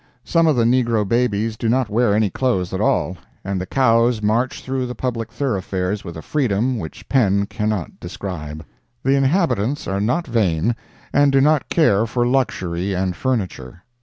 Some of the negro babies do not wear any clothes at all, and the cows march through the public thoroughfares with a freedom which pen cannot describe. The inhabitants are not vain, and do not care for luxury and furniture.